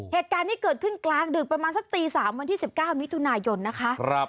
เหตุการณ์นี้เกิดขึ้นกลางดึกประมาณสักตี๓วันที่๑๙มิถุนายนนะคะ